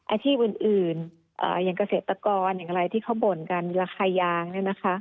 อาชีพอื่นอย่างเกษตรกรอย่างไรที่เขาบ่นกันราคายางเนี่ยนะคะ